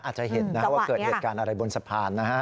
อาจจะเห็นนะว่าเกิดเหตุการณ์อะไรบนสะพานนะฮะ